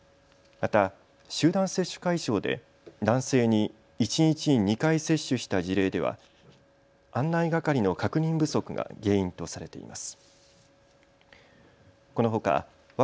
また集団接種会場で男性に一日に２回接種した事例では案内係の確認不足が原因とされています。